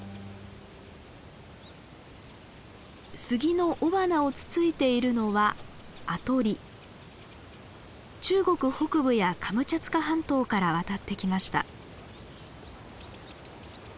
スギの雄花をつついているのは中国北部やカムチャツカ半島から渡ってきました。